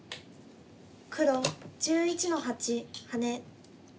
黒１１の八ハネ。